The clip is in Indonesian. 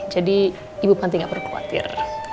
jadi ibu panting gak perlu khawatir